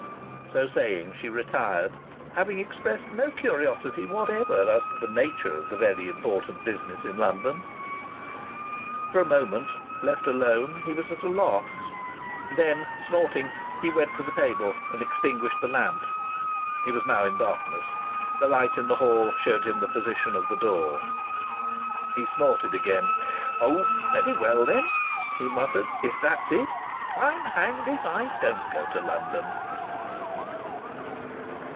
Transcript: So saying, she retired, having expressed no curiosity whatever as to the nature of the very important business in London. For a moment, left alone, he was at a loss. Then, snorting, he went to the table and extinguished the lamp. He was now in darkness. The light in the hall showed him the position of the door. He snorted again. "Oh, very well then!" he muttered. "If that's it!... I'm hanged if I don't go to London!...